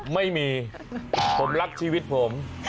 ไม่มีผมรักชีวิตผม